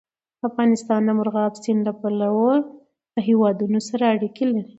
افغانستان د مورغاب سیند له پلوه له هېوادونو سره اړیکې لري.